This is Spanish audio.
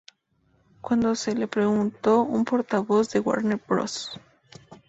Cuando se le preguntó, un portavoz de Warner Bros.